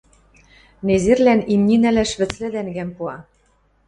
Незерлӓн имни нӓлӓш вӹцлӹ тӓнгӓм пуа